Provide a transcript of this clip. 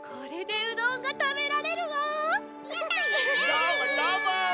どーもどーも！